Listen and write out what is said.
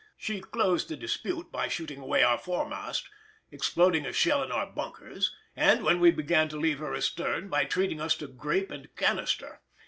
She closed the dispute by shooting away our fore mast, exploding a shell in our bunkers, and, when we began to leave her astern, by treating us to grape and canister.